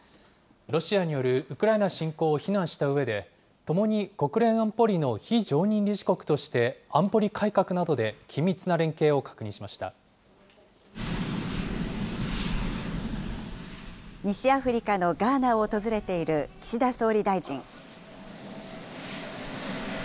ロシアによるウクライナ侵攻を非難したうえで、ともに国連安保理の非常任理事国として、安保理改革などで緊密な連携を確認し西アフリカのガーナを訪れている岸田総理大臣。